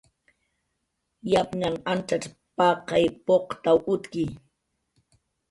Yapnhanq ancxacx paqay puqtaw utki